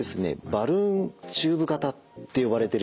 バルーンチューブ型って呼ばれてるやつです。